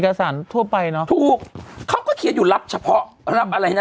สารทั่วไปเนอะถูกเขาก็เขียนอยู่รับเฉพาะรับอะไรนะ